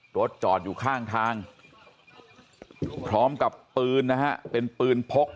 รถจอดอยู่ข้างทางพร้อมกับปืนนะฮะเป็นปืนพก